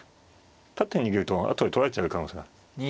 縦に逃げると後で取られちゃう可能性がある。